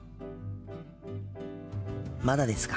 まだですか？